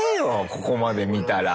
ここまで見たら。